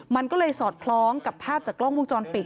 มันก็เลยสอดคล้องกับภาพจากกล้องวงจรปิด